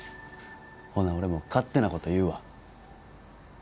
ほな俺も勝手なこと言うわ。